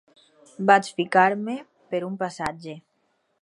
Vaig ficar-me per un passatge